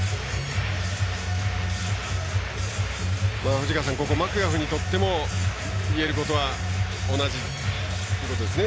藤川さん、マクガフにとっても言えることは同じことですね。